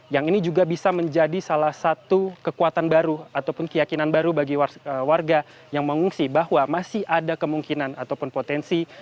yang ini juga bisa menjadi salah satu kekuatan baru ataupun keyakinan baru bagi warga yang mengungsi bahwa masih ada kemungkinan ataupun potensi